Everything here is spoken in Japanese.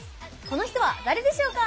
この人は誰でしょうか？